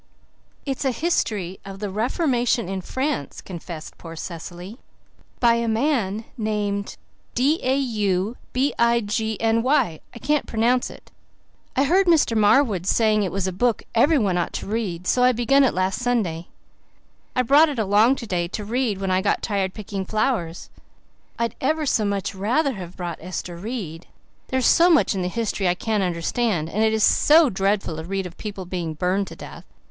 "It's a History of the Reformation in France," confessed poor Cecily, "by a man named D a u b i g n y. I can't pronounce it. I heard Mr. Marwood saying it was a book everyone ought to read, so I began it last Sunday. I brought it along today to read when I got tired picking flowers. I'd ever so much rather have brought Ester Reid. There's so much in the history I can't understand, and it is so dreadful to read of people being burned to death.